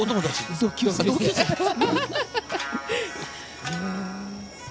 同級生なんです。